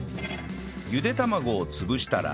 ゆで卵を潰したら